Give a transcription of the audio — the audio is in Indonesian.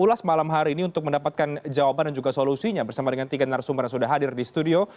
ulas malam hari ini untuk mendapatkan jawaban dan juga solusinya bersama dengan tiga narasumber yang sudah hadir di studio